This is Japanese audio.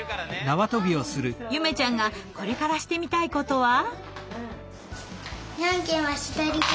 ゆめちゃんがこれからしてみたいことは？